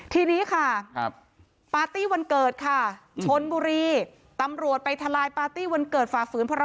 ทีนี้ค่ะปาร์ตี้วันเกิดค่ะชนบุรีตำรวจไปทลายปาร์ตี้วันเกิดฝ่าฝืนพร